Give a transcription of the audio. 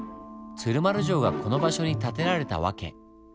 鶴丸城がこの場所に建てられた訳。